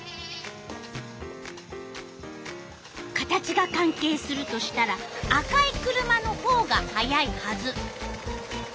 形が関係するとしたら赤い車のほうが速いはず。